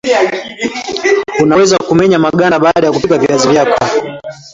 unaweza kumenya maganda baada kupika viazi vyako